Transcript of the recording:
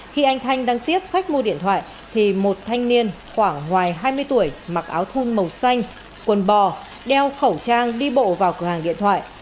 khi anh thanh đăng tiếp khách mua điện thoại thì một thanh niên khoảng ngoài hai mươi tuổi mặc áo thun màu xanh quần bò đeo khẩu trang đi bộ vào cửa hàng điện thoại